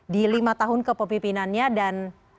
di lima tahun kepemimpinannya dan